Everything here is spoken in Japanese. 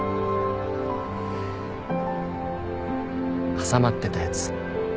挟まってたやつ。